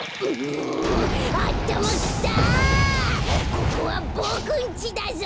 ここはボクんちだぞ。